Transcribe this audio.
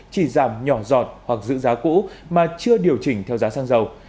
chỉ giảm nhỏ giọt hoặc giữ giá cũ mà chưa điều chỉnh theo giá xăng dầu